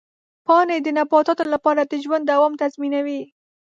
پاڼې د نباتاتو لپاره د ژوند دوام تضمینوي.